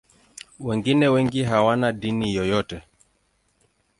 Wengine wengi hawana dini yoyote.